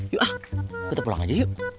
yuk ah kita pulang aja yuk